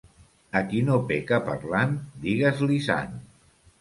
A qui no peca parlant, digues-li sant.